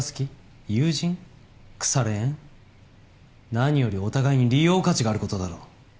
何よりお互いに利用価値がある事だろ。